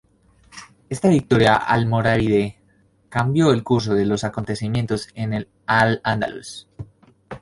Esta victoria almorávide cambió el curso de los acontecimientos en al-Ándalus.